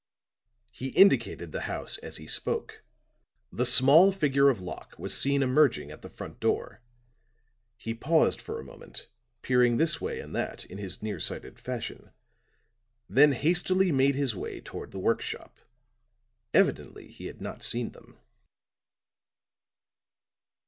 He indicated the house as he spoke. The small figure of Locke was seen emerging at the front door; he paused for a moment, peering this way and that in his near sighted fashion, then hastily made his way toward the work shop. Evidently he had not seen them.